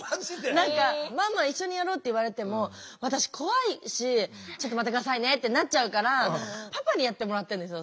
何か「ママ一緒にやろ」って言われても私怖いし「ちょっと待って下さいね」ってなっちゃうからパパにやってもらってるんですよ